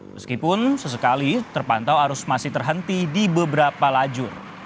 meskipun sesekali terpantau arus masih terhenti di beberapa lajur